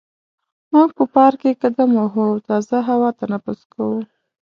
موږ په پارک کې قدم وهو او تازه هوا تنفس کوو.